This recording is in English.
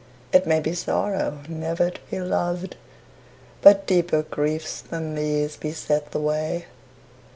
It may be sorrow never to be loved, But deeper griefs than these beset the way.